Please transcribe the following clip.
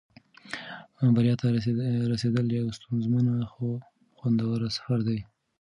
بریا ته رسېدل یو ستونزمن خو خوندور سفر دی.